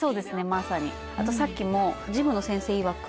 まさにあとさっきもジムの先生いわく